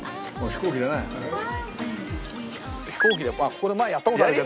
ここで前やった事あるけど。